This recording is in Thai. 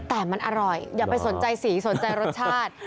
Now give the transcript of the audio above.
แต่มันอร่อยอย่าไปสนใจสีสนใจรสชาติ